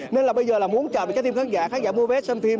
nên là bây giờ là muốn chờ một trái tim khán giả khán giả mua vé xem phim